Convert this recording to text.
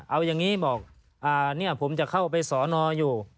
เอาอย่างนี้ผมจะเข้าไปสอนออยู่